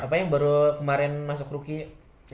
apa yang baru kemarin masuk rookie